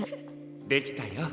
できたよ。